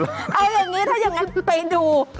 เอาอย่างนี้ถ้าอย่างนั้นไปดู